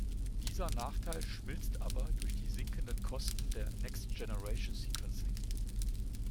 Dieser Nachteil schmilzt aber durch die sinkenden Kosten der Next Generation Sequencing.